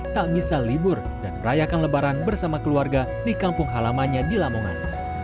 tak bisa libur dan merayakan lebaran bersama keluarga di kampung halamannya di lamongan